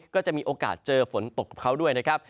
ก็จะมีโอกาสเจอฝนตกกับเขาด้วยนะครับ